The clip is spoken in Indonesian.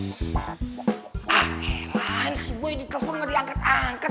elan sih boy di telepon gak diangkat angkat